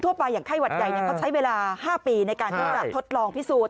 ไปอย่างไข้หวัดใหญ่เขาใช้เวลา๕ปีในการที่จะทดลองพิสูจน